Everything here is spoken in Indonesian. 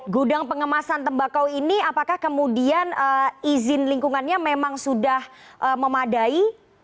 gudang pengemasan tembakau ini apakah kemudian izin lingkungannya memang sudah memadai